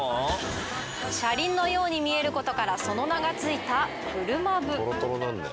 車輪のように見えることからその名がついた車麩。